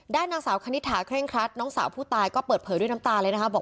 ด้านนางสาวคณิตถาเคร่งครัดน้องสาวผู้ตายก็เปิดเผยด้วยน้ำตาเลยนะคะบอก